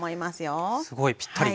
あっすごいぴったり。